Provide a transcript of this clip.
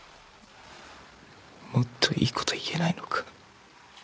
もっといいこと言えないのか。